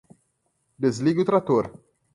Desligue o trator